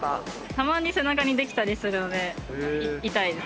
たまに背中にできたりするので痛いです。